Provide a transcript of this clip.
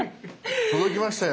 届きましたよ。